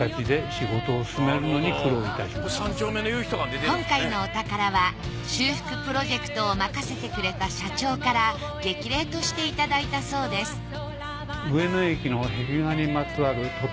壁画は今回のお宝は修復プロジェクトを任せてくれた社長から激励として頂いたそうです